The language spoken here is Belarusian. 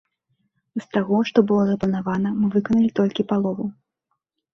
З таго, што было запланавана, мы выканалі толькі палову.